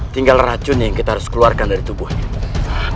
tinggal racun yang kita harus keluarkan dari tubuhnya